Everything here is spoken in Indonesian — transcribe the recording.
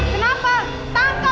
kenapa tangkap yang lainnya